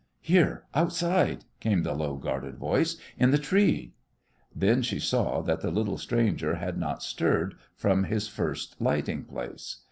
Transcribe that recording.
"Here, outside," came the low, guarded voice, "in the tree." Then she saw that the little stranger had not stirred from his first alighting place.